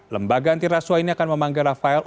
lembaga antiraswa ini akan memanggil rafael